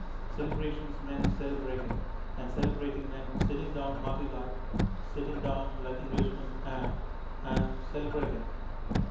Celebrations meant celebrating, and celebrating meant sitting down hearty like, sitting down like Englishmen and and celebrating.